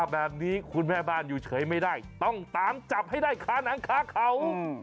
แบบนี้คุณแม่บ้านอยู่เฉยไม่ได้ต้องตามจับให้ได้ค้านังคาเขา